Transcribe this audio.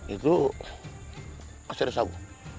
itu masih ada sawit